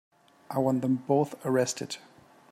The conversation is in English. I want them both arrested.